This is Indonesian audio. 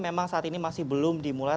memang saat ini masih belum dimulai